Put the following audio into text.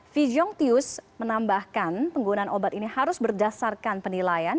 fijong dityus menambahkan penggunaan obat ini harus berdasarkan penilaian